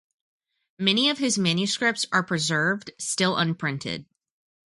Many of his manuscripts are preserved still unprinted.